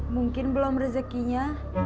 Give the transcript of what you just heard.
mungkin belum rezekinya